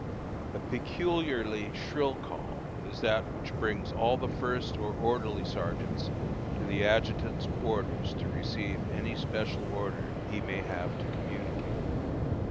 A peculiarly shrill call is that which brings all the first or orderly sergeants to the adjutant's quarters to receive any special order he may have to communicate.